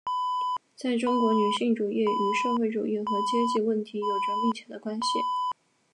在中国女性主义与社会主义和阶级问题有着密切的关系。